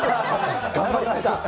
頑張りました。